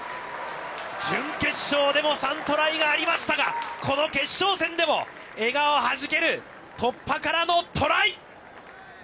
準決勝でも３トライがありましたが、この決勝戦でも笑顔が弾ける、突破からのトライ。